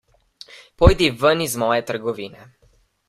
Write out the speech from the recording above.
Pojdi ven iz moje trgovine.